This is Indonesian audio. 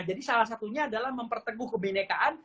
jadi salah satunya adalah memperteguh kebinekaan